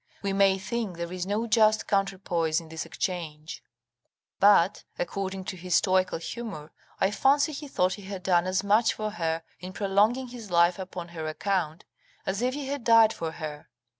We may think there is no just counterpoise in this exchange; but, according to his stoical humour, I fancy he thought he had done as much for her, in prolonging his life upon her account, as if he had died for her.